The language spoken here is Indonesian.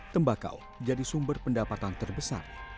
tembakau jadi sumber pendapatan terbesar